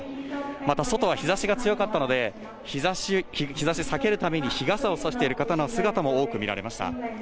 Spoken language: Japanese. まだ外は日差しが強かったので、日差しを避けるために日傘をさしている方の姿も多く見られました。